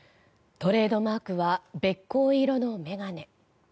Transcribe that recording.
トレードマークはべっこう色の眼鏡。